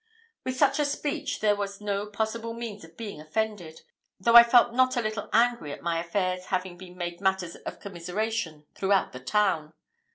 With such a speech there was no possible means of being offended, though I felt not a little angry at my affairs having been made matters of commiseration throughout the town.